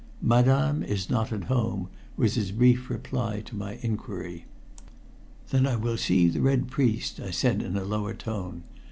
"Madame is not at home," was his brief reply to my inquiry. "Then I will see the Red Priest," I said in a lower tone.